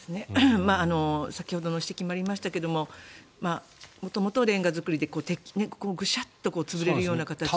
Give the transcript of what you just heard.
先ほどの指摘もありましたけど元々、レンガ造りでぐしゃっと潰れるような形の。